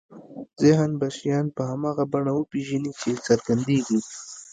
ذهن به شیان په هماغه بڼه وپېژني چې څرګندېږي.